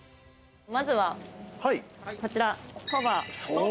まずは、こちら、そば。